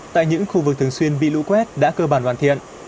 tại những khu vực thường xuyên bị lũ quét đã cơ bản hoàn thiện